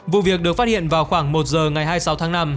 vụ việc được phát hiện vào khoảng một giờ ngày hai mươi sáu tháng năm